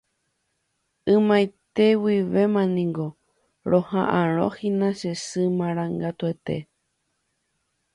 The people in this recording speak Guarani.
Ymaiteguivémaniko roha'ãrõhína che sy marangatuete